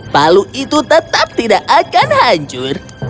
palu itu tetap tidak akan hancur